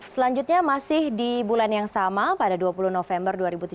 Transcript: selanjutnya masih di bulan yang sama pada dua puluh november dua ribu tujuh belas